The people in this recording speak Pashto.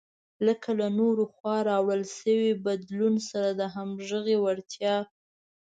لکه له نورو لخوا راوړل شوي بدلون سره د همغږۍ وړتیا.